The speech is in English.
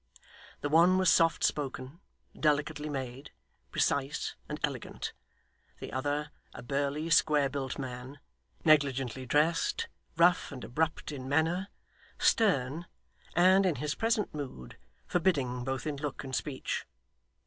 The one was soft spoken, delicately made, precise, and elegant; the other, a burly square built man, negligently dressed, rough and abrupt in manner, stern, and, in his present mood, forbidding both in look and speech.